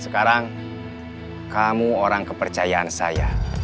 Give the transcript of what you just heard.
sekarang kamu orang kepercayaan saya